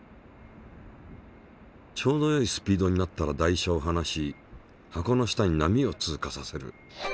ちょうどよいスピードになったら台車を放し箱の下に波を通過させる。